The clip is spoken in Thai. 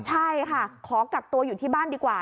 ใช่ค่ะขอกักตัวอยู่ที่บ้านดีกว่า